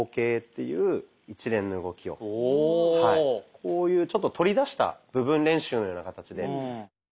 こういうちょっと取り出した部分練習のような形で。